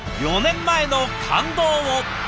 ４年前の感動を。